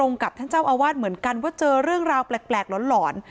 กับท่านเจ้าอาวาสเหมือนกันว่าเจอเรื่องราวแปลกหลอน